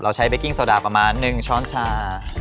เราใช้เบ็กกิ้งโซดาประมาณหนึ่งช้อนชา